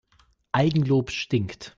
Eigenlob stinkt.